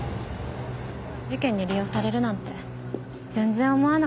事件に利用されるなんて全然思わなかった。